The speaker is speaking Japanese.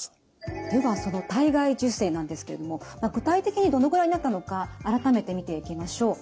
ではその体外受精なんですけれども具体的にどのぐらいになったのか改めて見ていきましょう。